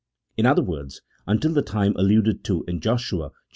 In other words, until the time alluded to in Joshua vi.